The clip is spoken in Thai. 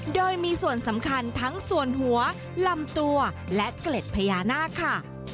โดยมีส่วนสำคัญทั้งส่วนหัวลำตัวและเกล็ดพญานาคค่ะ